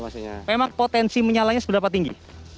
memang potensi menyalanya seberapa tinggi